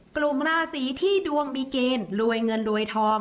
กลุ่มราศีที่ดวงมีเกณฑ์รวยเงินรวยทอง